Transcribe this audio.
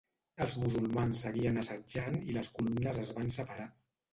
Els musulmans seguien assetjant i les columnes es van separar.